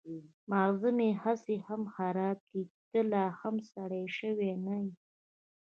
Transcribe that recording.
ماغزه مې هسې هم خراب دي چې ته لا هم سړی شوی نه يې.